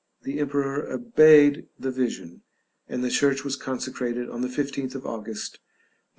The emperor obeyed the vision; and the church was consecrated on the 15th of August, 957.